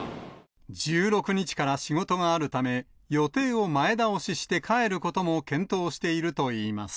１６日から仕事があるため、予定を前倒しして帰ることも検討しているといいます。